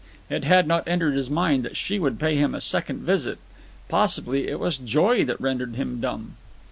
It had not entered his mind that she would pay him a second visit. Possibly it was joy that rendered him dumb.